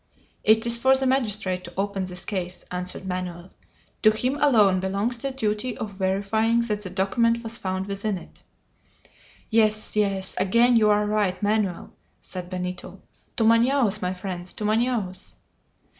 "It is for the magistrate to open this case!" answered Manoel. "To him alone belongs the duty of verifying that the document was found within it." "Yes, yes. Again you are right, Manoel," said Benito. "To Manaos, my friends to Manaos!"